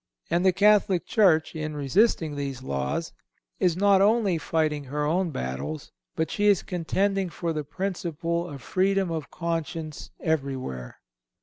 And the Catholic Church, in resisting these laws, is not only fighting her own battles, but she is contending for the principle of freedom of conscience everywhere.